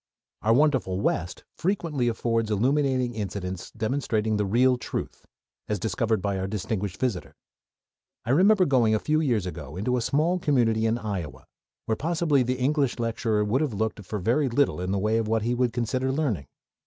Our wonderful West frequently affords illuminating incidents demonstrating the real truth, as discovered by our distinguished visitor. I remember going a few years ago into a small community in Iowa, where possibly the English lecturer would have looked for very little in the way of what he would consider learning.